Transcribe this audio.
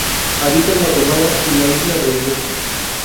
Habita en Guatemala y la isla Reunión.